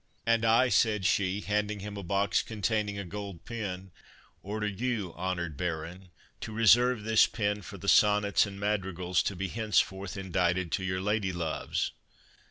"And I," said she, handing him a box containing a gold pen, "order you, honored Baron, to reserve this pen for the sonnets and madrigals to be hence forth indited to your lady loves."